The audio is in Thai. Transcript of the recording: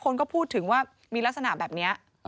คนก็พูดถึงว่ามีลักษณะแบบนี้เยอะค่ะ